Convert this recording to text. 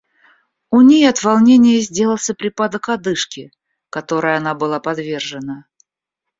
У ней от волнения сделался припадок одышки, которой она была подвержена.